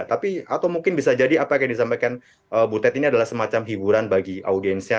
tapi atau mungkin bisa jadi apa yang disampaikan bu tet ini adalah semacam hiburan bagi audiensnya